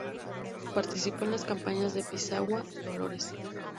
Participó en las campañas de Pisagua, Dolores.